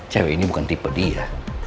cewek ini bukan tipe dia